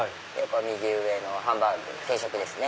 右上のハンバーグ定食ですね。